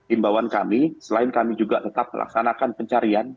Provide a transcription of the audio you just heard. imbauan kami selain kami juga tetap melaksanakan pencarian